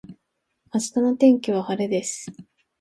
明日の天気は晴れです。